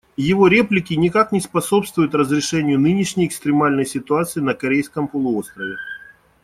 Его реплики никак не способствуют разрешению нынешней экстремальной ситуации на Корейском полуострове.